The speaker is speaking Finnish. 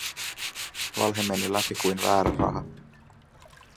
Valhe meni läpi kuin väärä raha.